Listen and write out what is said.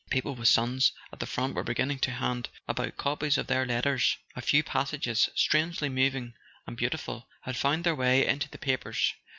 People with sons at the front were beginning to hand about copies of their letters; a few passages, strangely moving and beautiful, had found their way into the papers.